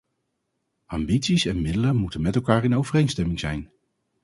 Ambities en middelen moeten met elkaar in overeenstemming zijn.